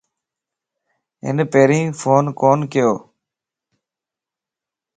ھن پيرين فون ڪون ڪيو.